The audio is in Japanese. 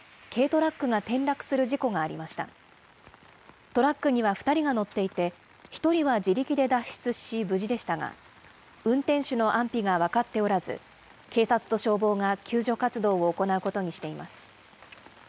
トラックには２人が乗っていて、１人は自力で脱出し無事でしたが、運転手の安否が分かっておらず、警察と消防が救助活動を行うことにしています。